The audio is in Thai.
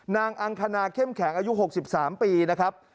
อังคณาเข้มแข็งอายุ๖๓ปีนะครับ